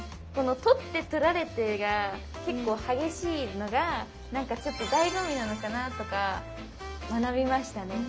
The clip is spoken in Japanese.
取って取られてが結構激しいのがなんかちょっと醍醐味なのかなとか学びましたね。